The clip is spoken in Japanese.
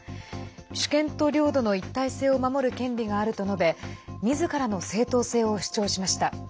主権と領土の一体性を守る権利があると述べみずからの正当性を主張しました。